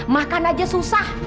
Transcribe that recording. makan aja susah